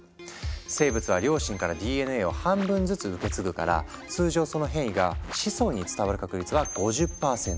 生物は両親からＤＮＡを半分ずつ受け継ぐから通常その変異が子孫に伝わる確率は５０％。